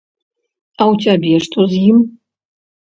А ў цябе што з ім?